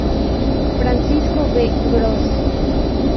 Francisco B. Gross.